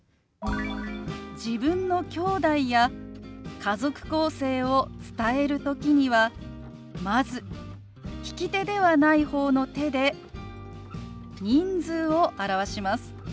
自分のきょうだいや家族構成を伝える時にはまず利き手ではない方の手で人数を表します。